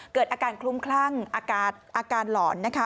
เกิดอาการคลุ้มคลั่งอาการอาการหลอนนะคะ